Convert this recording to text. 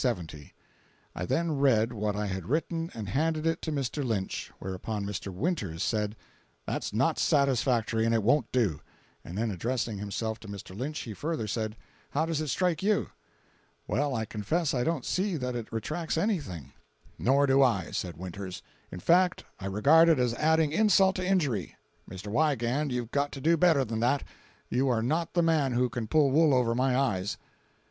I then read what I had written and handed it to Mr. Lynch, whereupon Mr. Winters said: "That's not satisfactory, and it won't do;" and then addressing himself to Mr. Lynch, he further said: "How does it strike you?" "Well, I confess I don't see that it retracts anything." "Nor do I," said Winters; "in fact, I regard it as adding insult to injury. Mr. Wiegand you've got to do better than that. You are not the man who can pull wool over my eyes."